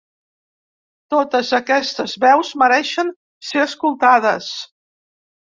Totes aquestes veus mereixen ser escoltades.